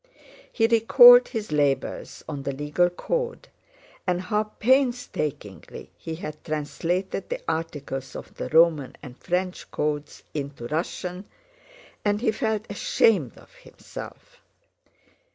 He recalled his labors on the Legal Code, and how painstakingly he had translated the articles of the Roman and French codes into Russian, and he felt ashamed of himself.